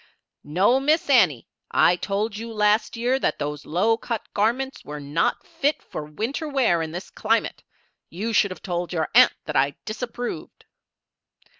"No, Miss Annie, I told you last year that those low cut garments were not fit for winter wear in this climate. You should have told your aunt that I disapproved."